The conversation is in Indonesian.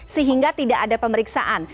sehingga tidak ada pemeriksaan